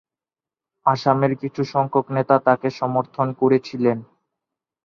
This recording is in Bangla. আসামের কিছুসংখ্যক নেতা তাকে সমর্থন করেছিলেন।